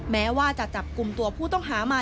แม้ว่าจะจับกลุ่มตัวผู้ต้องหามา